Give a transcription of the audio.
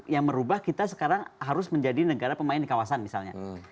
yang merubah kita sekarang harus menjadi negara pemain di kawasan misalnya